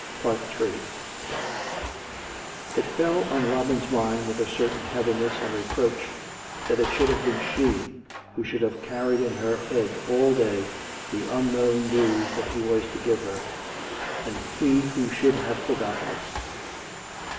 Ill It fell on Robin's mind with a certain heaviness and reproach that it should have been she who should have carried in her head all day the unknown news that he was to give her, and he who should have forgotten it.